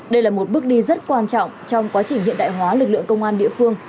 đây là một bước đi rất quan trọng trong quá trình hiện đại hóa lực lượng công an địa phương